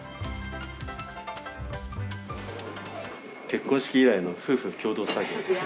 結婚式以来の夫婦の共同作業です。